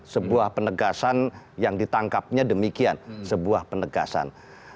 sebuah penegasan yang ditangkapnya demikian sebuah penegasan